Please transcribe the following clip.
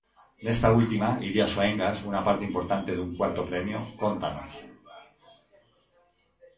Nesta última, Iria Soengas, unha parte importante dun cuarto premio, cóntanos.